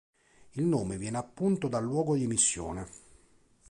Il nome viene appunto dal luogo di emissione.